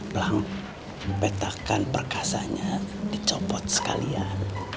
pelan petakan perkasanya dicopot sekalian